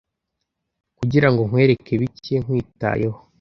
kugirango nkwereke bike nkwitayeho